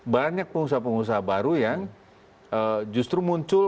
banyak pengusaha pengusaha baru yang justru muncul